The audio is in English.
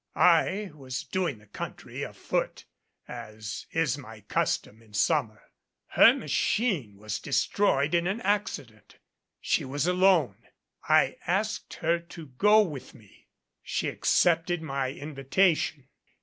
I was doing the country afoot, as is my custom in summer. Her machine was destroyed in an accident. She was alone. I asked her to go with me. She accepted my invitation.